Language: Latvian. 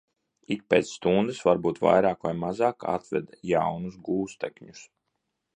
Ik pēc stundas, varbūt vairāk vai mazāk, atveda jaunus gūstekņus.